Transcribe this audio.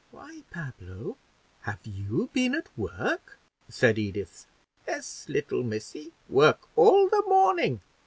"Why, Pablo, have you been at work?" said Edith. "Yes, little missy, work all the morning."